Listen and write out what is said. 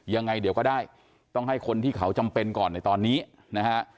ยังไงเดี๋ยวก็ได้ต้องให้คนที่เขาจำเป็นก่อนในตอนนี้นะฮะ